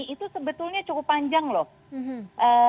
itu sebetulnya cukup panjang loh